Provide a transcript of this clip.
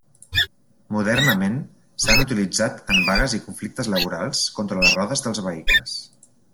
Modernament s'han utilitzat en vagues i conflictes laborals contra les rodes dels vehicles.